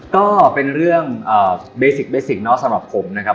ก็เป็นเรื่องเบสิคนอกสำหรับผมนะครับ